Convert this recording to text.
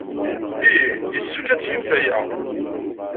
Ih, yessefk ad tgem aya.